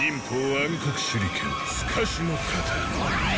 暗黒手裏剣すかしの型！